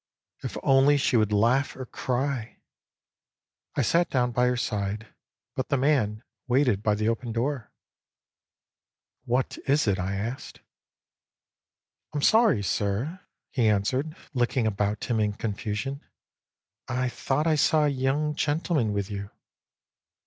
If only she would laugh or cry ! I sat down by her side, but the man waited Jby the open door. " What is it ?" 1 asked. " I'm sorry, sir," he answered, looking about THE PASSING OF EDWARD 111 him in confusion, " I thought I saw a young gentleman with you."